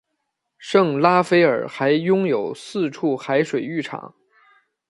圣拉斐尔还拥有四处海水浴场。